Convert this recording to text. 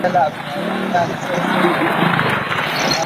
তুমি কি চাও, স্টার কমান্ড তোমাকে বন্দি করুক?